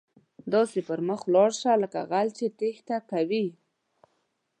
داسې پر مخ ولاړ شه، لکه غل چې ټیښته کوي.